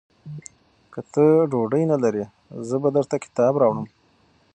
که ته ډوډۍ نه لرې، زه به درته کباب راوړم.